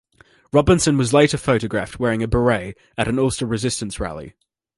Robinson was later photographed wearing a beret at an Ulster Resistance rally.